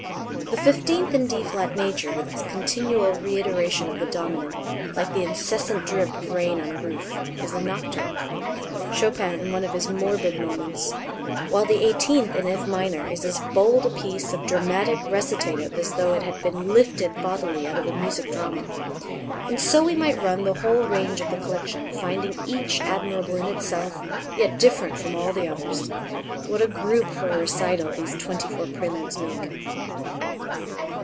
The fifteenth in D flat major, with its continual reiteration of the dominant, like the incessant drip of rain on a roof, is a nocturne Chopin in one of his morbid moments; while the eighteenth in F minor is as bold a piece of dramatic recitative as though it had been lifted bodily out of a music drama. And so we might run the whole range of the collection, finding each admirable in itself, yet different from all the others. What a group for a recital these twenty four Préludes make!